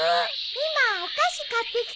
今お菓子買ってきたの。